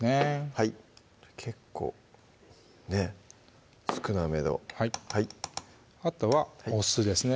はい結構ね少なめのあとはお酢ですね